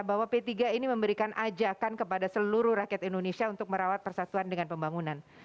bahwa p tiga ini memberikan ajakan kepada seluruh rakyat indonesia untuk merawat persatuan dengan pembangunan